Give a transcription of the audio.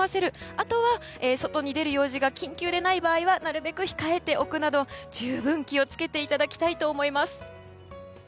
あとは、外に出る用事が緊急でない場合はなるべく控えておくなど十分気を付けていただきたいと思います。